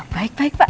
baik baik pak